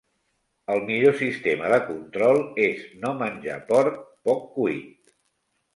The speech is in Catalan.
El millor sistema de control és no menjar porc poc cuit.